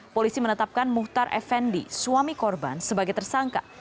polisi menetapkan muhtar effendi suami korban sebagai tersangka